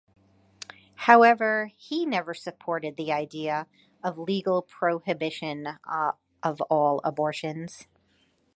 However, he never supported the idea of legal prohibition of all abortions.